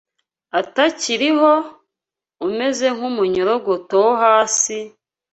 atakiriho, umeze nk’umunyorogoto wo hasi,